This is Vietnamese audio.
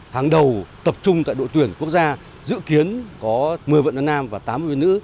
hàng đầu tập trung tại đội tuyển quốc gia dự kiến có một mươi vận động nam và tám mươi vận động nữ